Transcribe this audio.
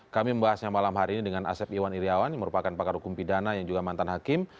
kami membahasnya malam hari ini dengan asep iwan iryawan yang merupakan pakar hukum pidana yang juga mantan hakim